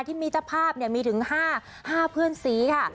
ที่มีเจ้าภาพมีถึง๕เพื่อนสีค่ะ